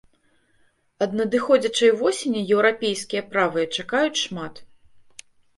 Ад надыходзячай восені еўрапейскія правыя чакаюць шмат.